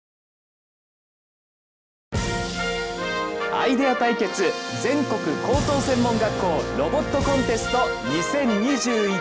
「アイデア対決・全国高等専門学校ロボットコンテスト２０２１」。